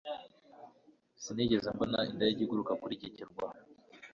Sinigeze mbona indege iguruka kuri iki kirwa